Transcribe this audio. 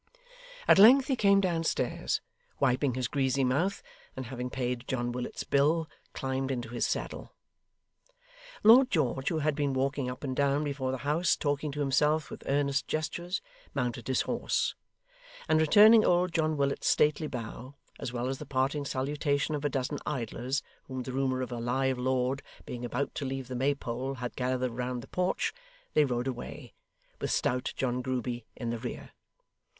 At length he came downstairs, wiping his greasy mouth, and having paid John Willet's bill, climbed into his saddle. Lord George, who had been walking up and down before the house talking to himself with earnest gestures, mounted his horse; and returning old John Willet's stately bow, as well as the parting salutation of a dozen idlers whom the rumour of a live lord being about to leave the Maypole had gathered round the porch, they rode away, with stout John Grueby in the rear.